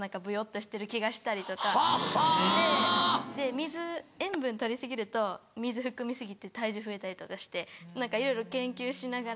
水塩分取り過ぎると水含み過ぎて体重増えたりとかしていろいろ研究しながら。